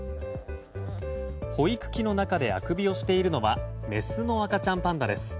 保育器の中であくびをしているのはメスの赤ちゃんパンダです。